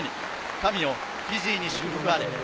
神よ、フィジーに祝福あれ。